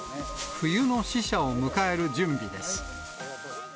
冬の使者を迎える準備です。